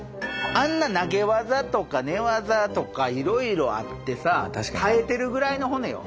あんな投げ技とか寝技とかいろいろあってさ耐えてるぐらいの骨よ。